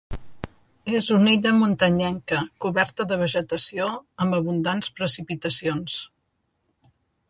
És una illa muntanyenca, coberta de vegetació, amb abundants precipitacions.